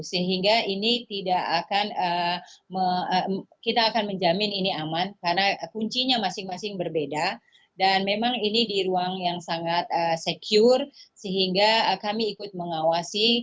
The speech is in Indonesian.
sehingga ini tidak akan kita akan menjamin ini aman karena kuncinya masing masing berbeda dan memang ini di ruang yang sangat secure sehingga kami ikut mengawasi